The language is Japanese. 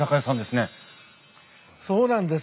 そうなんです。